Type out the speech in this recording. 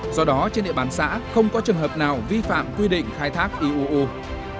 do đó trên địa bàn xã không có trường hợp nào vi phạm quy định truyền đổi nghề